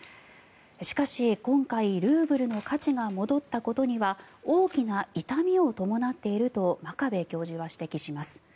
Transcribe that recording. しかし今回、ルーブルの価値が戻ったことには大きな痛みを伴っていると真壁教授は指摘します。